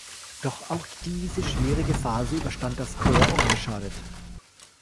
Doch auch diese schwierige Phase überstand das Corps unbeschadet.